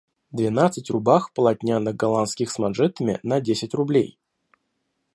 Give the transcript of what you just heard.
Двенадцать рубах полотняных голландских с манжетами на десять рублей.